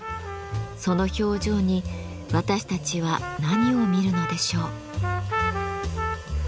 その表情に私たちは何を見るのでしょう。